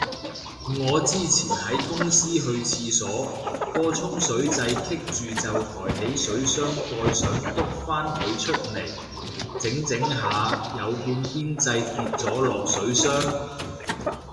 我之前喺公司去廁所，個沖水掣棘住就抬起水箱蓋想篤返佢出嚟，整整下有半邊掣跌咗落水箱